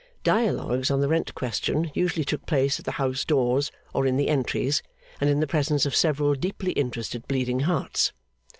Dialogues on the rent question usually took place at the house doors or in the entries, and in the presence of several deeply interested Bleeding Hearts.